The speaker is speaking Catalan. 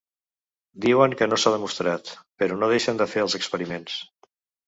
Diuen que no s’ha demostrat, però no deixen fer els experiments.